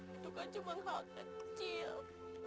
itu kan cuma kalau kecil